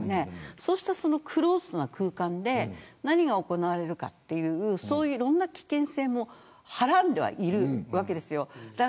そうしたクローズドな空間で何が行われるかといういろんな危険性もはらんではいるわけです。